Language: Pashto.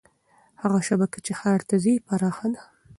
هغه شبکه چې ښار ته ځي پراخه ده.